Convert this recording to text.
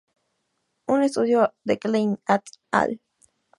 Un estudio de Klein "et al.